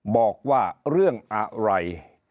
บอกว่าเรื่องอะไร